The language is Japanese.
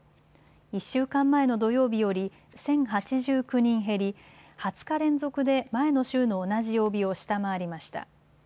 １週間前の土曜日より１０８９人減り２０日連続で前の週の同じ曜日を下回りました。